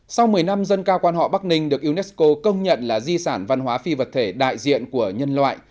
sau một mươi năm dân cao quan họ bắc ninh được unesco công nhận là di sản văn hóa phi vật thể đại diện của nhân loại